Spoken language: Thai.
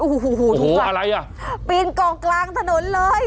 โอ้โหทุกคนปีนเกาะกลางถนนเลย